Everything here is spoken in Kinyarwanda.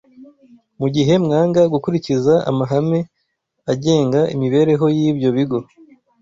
mu gihe mwanga gukurikiza amahame agenga imibereho y’ibyo bigo